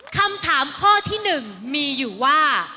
คำถามข้อที่๑มีอยู่ว่า